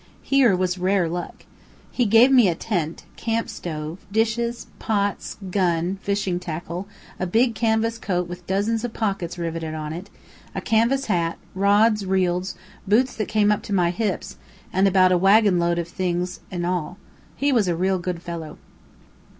Here was rare luck. He gave me a tent, camp stove, dishes, pots, gun, fishing tackle, a big canvas coat with dozens of pockets riveted on it, a canvas hat, rods, reels, boots that came up to my hips, and about a wagon load of things in all. He was a real good fellow.